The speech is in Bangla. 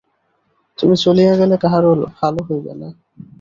তুমি চলিয়া গেলে কাহারো ভালো হইবে না।